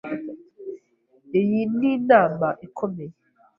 Iyi ninama ikomeye.